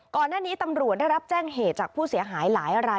ก่อนหน้านี้ตำรวจได้รับแจ้งเหตุจากผู้เสียหายหลายราย